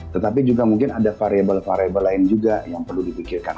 tetapi juga mungkin ada variable variable lain juga yang perlu dipikirkan